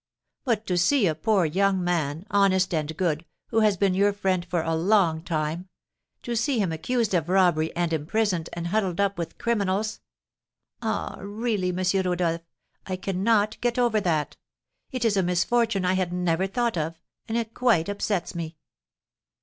But to see a poor young man, honest and good, who has been your friend for a long time, to see him accused of robbery, and imprisoned and huddled up with criminals! ah, really, M. Rodolph, I cannot get over that; it is a misfortune I had never thought of, and it quite upsets me."